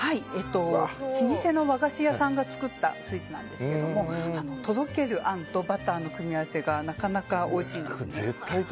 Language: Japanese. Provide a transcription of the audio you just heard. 老舗の和菓子屋さんが作ったスイーツなんですがとろけるあんとバターの組み合わせがなかなかおいしいです。